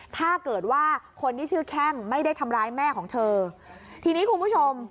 ถ้าเกิดว่าคนที่ชื่อแข้งไม่ได้ทำร้ายแม่ของเธอทีนี้คุณผู้ชม